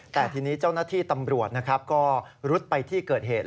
แต่ทีนี้เจ้าหน้าที่ตำรวจนะครับก็รุดไปที่เกิดเหตุ